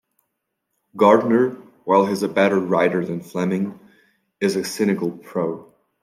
Gardner, while he's a better writer than Fleming, is a cynical pro.